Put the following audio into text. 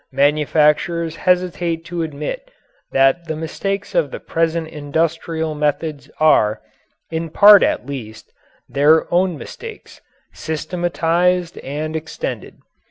Manufacturers hesitate to admit that the mistakes of the present industrial methods are, in part at least, their own mistakes, systematized and extended.